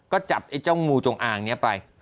ก็จับเจ้าหมูจงอ่างเนี่ยไป